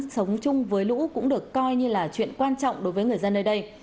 sống chung với lũ cũng được coi như là chuyện quan trọng đối với người dân nơi đây